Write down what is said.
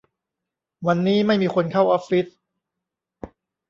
วันนี้ไม่มีคนเข้าออฟฟิศ